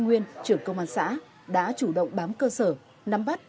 nguyên trưởng công an xã đã chủ động bám cơ sở nắm bắt